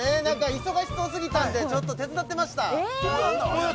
忙しそうすぎたんでちょっと手伝ってました。